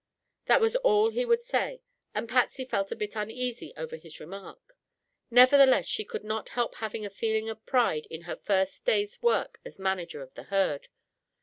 That was all he would say and Patsy felt a bit uneasy over his remark. Nevertheless, she could not help having a feeling of pride in her first day's work as manager of the herd.